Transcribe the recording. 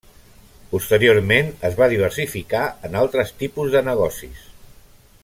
Posteriorment es va diversificar en altres tipus de negocis.